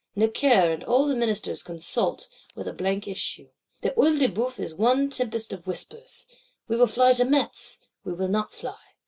Necker and all the Ministers consult; with a blank issue. The Œil de Bœuf is one tempest of whispers:—We will fly to Metz; we will not fly.